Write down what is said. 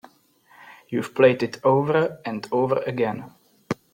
You've played it over and over again.